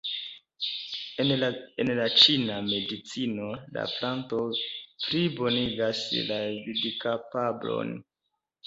En la ĉina medicino la planto plibonigas la vidkapablon.